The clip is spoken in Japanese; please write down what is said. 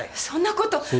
そんなこと。